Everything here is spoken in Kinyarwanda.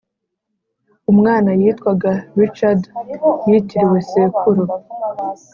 umwana yitwaga richard yitiriwe sekuru.